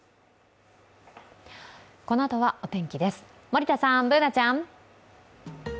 このあとはお天気です、森田さん、Ｂｏｏｎａちゃん。